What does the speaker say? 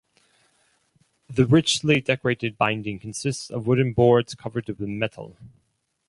The richly decorated binding consists of wooden boards covered with metal.